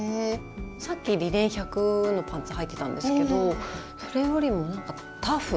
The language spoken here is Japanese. さっきリネン１００のパンツはいてたんですけどそれよりもなんかタフ？